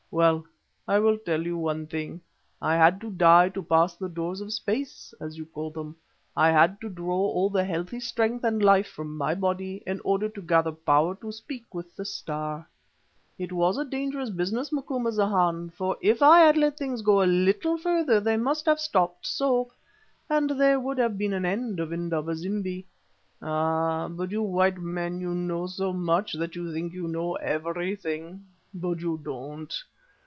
Well, I will tell you one thing. I had to die to pass the doors of space, as you call them. I had to draw all the healthy strength and life from my body in order to gather power to speak with the Star. It was a dangerous business, Macumazahn, for if I had let things go a little further they must have stopped so, and there would have been an end of Indaba zimbi. Ah, you white men, you know so much that you think you know everything. But you don't!